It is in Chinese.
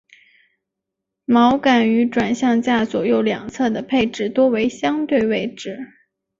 锚杆于转向架左右两侧的配置多为相对位置。